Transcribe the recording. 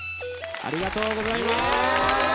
ありがとうございます。